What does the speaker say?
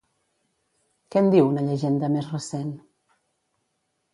Què en diu una llegenda més recent?